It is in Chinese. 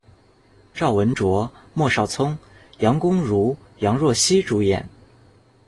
赵文卓、莫少聪、杨恭如、杨若兮主演。